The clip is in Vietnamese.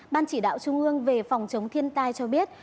ban chỉ đạo trung ương về phòng chống thiên tai cho biết